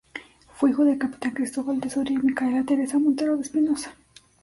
Fue hijo del capitán Cristóbal de Soria y Micaela Teresa Montero de Espinosa.